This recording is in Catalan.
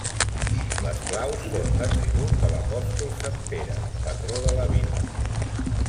Les claus són l'atribut de l'apòstol sant Pere, patró de la vila.